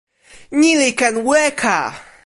ni li ken weka.